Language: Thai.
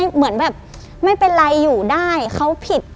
เหมือนแบบไม่เป็นไรอยู่ได้เขาผิด